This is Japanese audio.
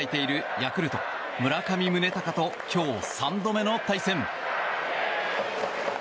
ヤクルト、村上宗隆と今日３度目の対戦。